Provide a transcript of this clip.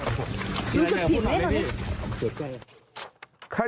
รู้สึกผิดไหม